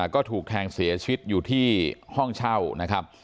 ก็ถูกแทงเสียชีวิตอยู่ที่ห้องเช่านะครับ